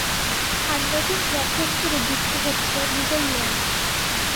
আর নতুন যন্ত্র হিসেবে যুক্ত হচ্ছে গুগল লেন্স।